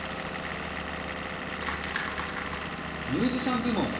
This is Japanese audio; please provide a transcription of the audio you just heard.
ミュージシャン部門は。